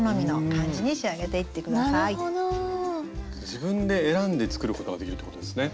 自分で選んで作ることができるってことですね。